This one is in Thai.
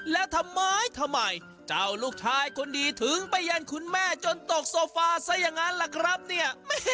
แล้วทำไมทำไมเจ้าลูกชายคนดีถึงไปยันคุณแม่จนตกโซฟาซะอย่างนั้นล่ะครับเนี่ย